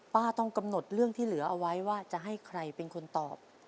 ต้องกำหนดเรื่องที่เหลือเอาไว้ว่าจะให้ใครเป็นคนตอบ